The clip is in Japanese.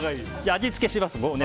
味付けします。